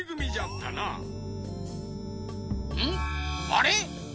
あれ？